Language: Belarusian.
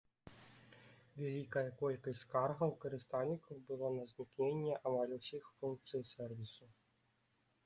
Вялікая колькасць скаргаў карыстальнікаў было на знікненне амаль усіх функцый сэрвісу.